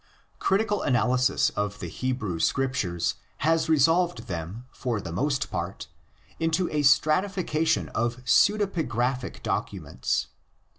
Critican analysis of the Hebrew Scriptures has resolved them, for the most part, into a stratification of pseudepigraphic documents.